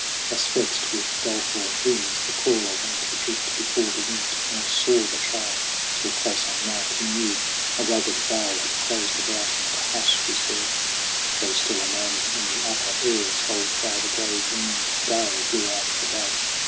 Thus vexed with doleful whims the crawler went Adrift before the wind, nor saw the trail ; Till close on night he knew a rugged vale Had closed about him ; and a hush was there, Though still a moaning in the upper air Told how the gray winged gale blew out the day.